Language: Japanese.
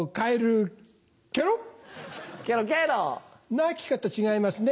鳴き方違いますね。